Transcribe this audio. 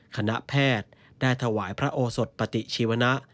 คณะแพทย์ได้ถวายพระโอสดปฏิชีวนะ